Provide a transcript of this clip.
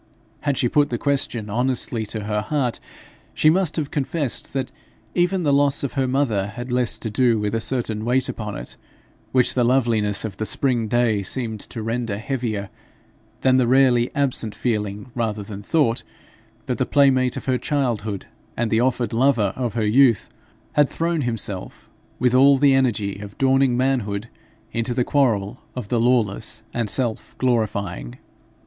Had she put the question honestly to her heart, she must have confessed that even the loss of her mother had less to do with a certain weight upon it, which the loveliness of the spring day seemed to render heavier, than the rarely absent feeling rather than thought, that the playmate of her childhood, and the offered lover of her youth, had thrown himself with all the energy of dawning manhood into the quarrel of the lawless and self glorifying.